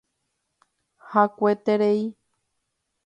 Hakueterei.